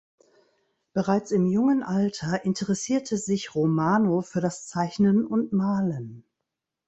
Bereits im jungen Alter interessierte sich Romano für das Zeichnen und Malen.